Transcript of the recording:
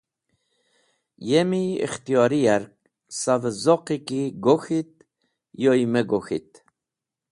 Yemi ikhtiyori yark savẽ zoqi ki gok̃hit yoy me gok̃hit.